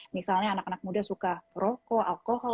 misalnya anak anak muda suka rokok alkohol